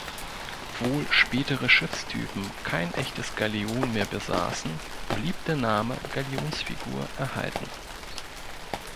Obwohl spätere Schiffstypen kein echtes "Galion" mehr besaßen, blieb der Name "Galionsfigur" erhalten.